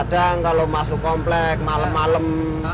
kadang kalau masuk komplek malam malam